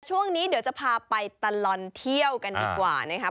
ช่วงนี้เดี๋ยวจะพาไปตลอดเที่ยวกันดีกว่านะครับ